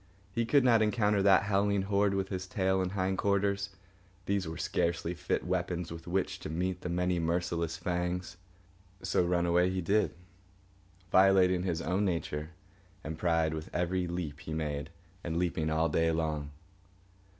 He could not encounter that howling horde with his tail and hind quarters. These were scarcely fit weapons with which to meet the many merciless fangs. So run away he did, violating his own nature and pride with every leap he made, and leaping all day long.